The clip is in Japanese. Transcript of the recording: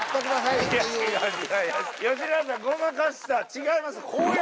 違います。